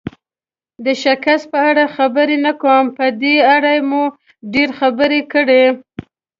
د شکست په اړه خبرې نه کوو، په دې اړه مو ډېرې خبرې کړي.